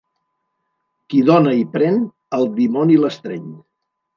Qui dóna i pren, el dimoni l'estreny.